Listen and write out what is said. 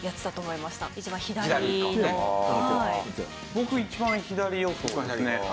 僕一番左予想ですね。